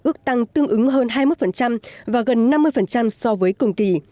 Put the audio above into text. ước tăng tương ứng hơn hai mươi một và gần năm mươi so với cùng kỳ